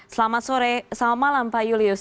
selamat sore selamat malam pak julius